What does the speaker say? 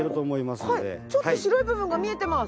ちょっと白い部分が見えてます。